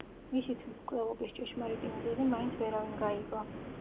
მისი თვითმკვლელობის ჭეშმარიტი მიზეზი მაინც ვერავინ გაიგო.